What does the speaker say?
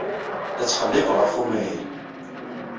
La ttqellibeɣ ɣef umahil.